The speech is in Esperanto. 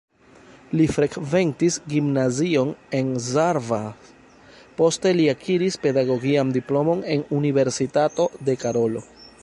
Li frekventis gimnazion en Szarvas, poste li akiris pedagogian diplomon en Universitato de Karolo.